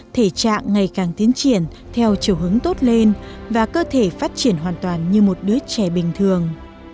thể trạng ngày càng tiến triển theo chiều hướng tốt lên và cơ thể phát triển hoàn toàn như một đứa trẻ bình thường